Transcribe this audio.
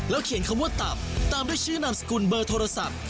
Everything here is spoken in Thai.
เขียนคำว่าตับตามด้วยชื่อนามสกุลเบอร์โทรศัพท์